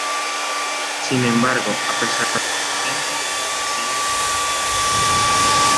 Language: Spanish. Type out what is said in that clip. Sin embargo, a pesar de la resistencia ofrecida fueron derrotados.